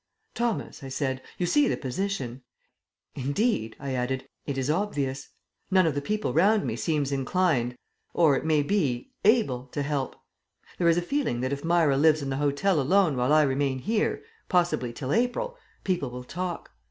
"Thomas," I said, "you see the position. Indeed," I added, "it is obvious. None of the people round me seems inclined or, it may be, able to help. There is a feeling that if Myra lives in the hotel alone while I remain here possibly till April people will talk.